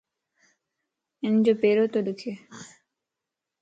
ھنجو پيرو تو ڏک